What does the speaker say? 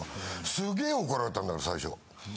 すげ怒られたんだから最初。